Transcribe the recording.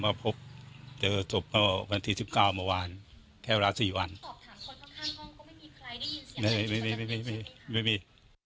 ไม่มีใช่ไหมคะไม่มี